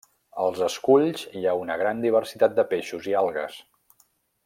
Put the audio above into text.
Als esculls hi ha una gran diversitat de peixos i algues.